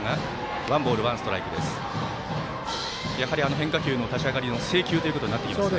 変化球の立ち上がりの制球というところになってきますね。